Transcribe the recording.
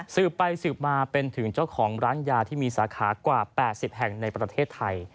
สืบไปสืบมาเป็นถึงเจ้าของร้านยาที่มีสาขากว่า๘๐แห่งในประเทศไทย